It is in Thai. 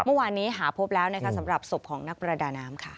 เมื่อวานนี้หาพบแล้วนะคะสำหรับศพของนักประดาน้ำค่ะ